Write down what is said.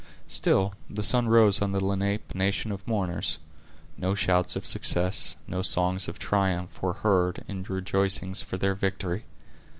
Still, the sun rose on the Lenape a nation of mourners. No shouts of success, no songs of triumph, were heard, in rejoicings for their victory.